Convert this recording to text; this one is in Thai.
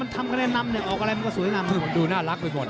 ทั้งคู่น่ะ